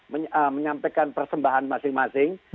menyampaikan persembahan masing masing